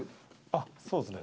あっそうですね